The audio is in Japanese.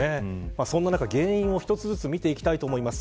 そんな中、原因を一つずつ見ていきたいと思います。